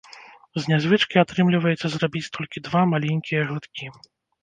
З нязвычкі атрымліваецца зрабіць толькі два маленькія глыткі.